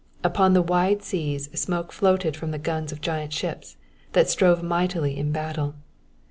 Upon the wide seas smoke floated from the guns of giant ships that strove mightily in battle.